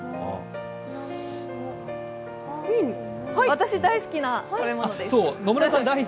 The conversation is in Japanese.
私、大好きな食べ物です。